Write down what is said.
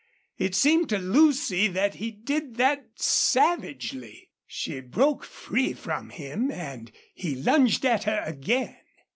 It seemed to Lucy that he did that savagely. She broke free from him, and he lunged at her again.